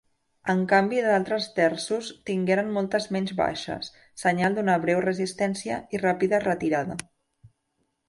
En canvi d'altres terços tingueren moltes menys baixes, senyal d'una breu resistència i ràpida retirada.